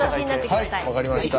はい分かりました。